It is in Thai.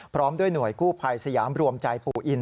พร้อมด้วยหน่วยกู้ภัยสยามรวมใจปู่อิน